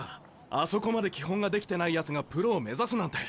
あそこまで基本ができてないやつがプロを目指すなんて。